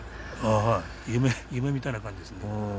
はい、夢みたいな感じです。